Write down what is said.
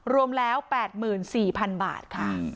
รวมแล้ว๘๔๐๐๐บาทค่ะ